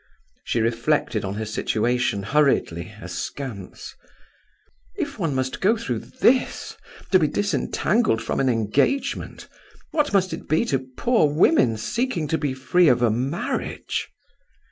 She reflected on her situation hurriedly askance: "If one must go through this, to be disentangled from an engagement, what must it be to poor women seeking to be free of a marriage?"